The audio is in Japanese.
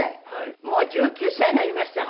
もう１９歳になりましたか。